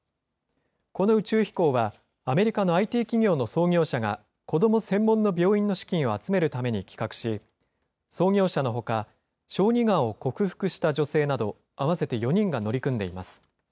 この宇宙飛行は、アメリカのＩＴ企業の創業者が、子ども専門の病院の資金を集めるために企画し、創業者のほか、小児がんを克服した女性など合わせて４人が乗り組んでいます。